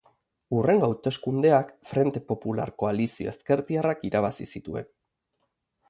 Hurrengo hauteskundeak Frente Popular koalizio ezkertiarrak irabazi zituen.